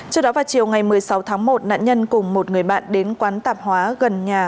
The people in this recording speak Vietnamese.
trước đó vào chiều ngày một mươi sáu tháng một nạn nhân cùng một người bạn đến quán tạp hóa gần nhà